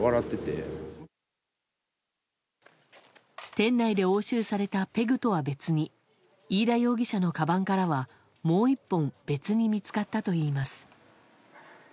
店内で押収されたペグとは別に飯田容疑者のかばんからはもう１本別に見つかったといいます。